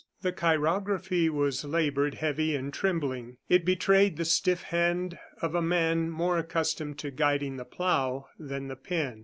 The chirography was labored, heavy and trembling; it betrayed the stiff hand of a man more accustomed to guiding the plough than the pen.